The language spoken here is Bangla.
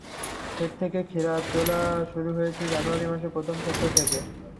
খেত থেকে ক্ষীরা তোলা শুরু হয়েছে জানুয়ারি মাসের প্রথম সপ্তাহ থেকে।